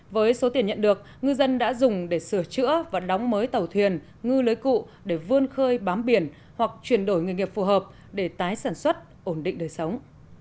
với số tiền nhận được ngư dân đã dùng để sửa chữa và đóng mới tàu thuyền ngư lưới cụ để vươn khơi bám biển hoặc chuyển đổi nghề nghiệp phù hợp để tái sản xuất ổn định đời sống